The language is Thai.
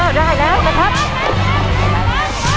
อ้าวได้แล้วนะครับ